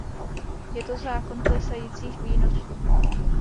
Je to zákon klesajících výnosů.